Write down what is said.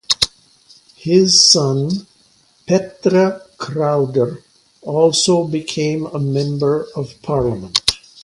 His son Petre Crowder also became a Member of Parliament.